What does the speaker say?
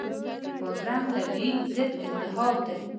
بادرنګ طبیعي ضد التهاب دی.